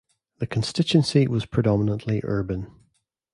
The constituency was predominantly urban.